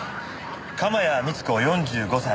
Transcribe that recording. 鎌谷充子４５歳。